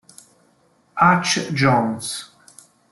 Hutch Jones